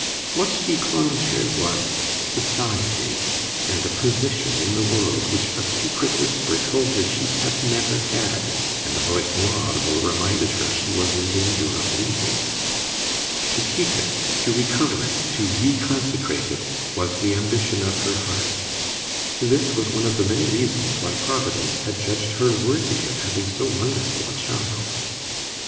What she clung to was "society," and a position in the world which a secret whisper told her she had never had and a voice more audible reminded her she was in danger of losing. To keep it, to recover it, to reconsecrate it, was the ambition of her heart; this was one of the many reasons why Providence had judged her worthy of having so wonderful a child.